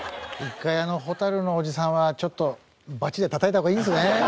一回あのホタルのおじさんはちょっとバチで叩いた方がいいですね。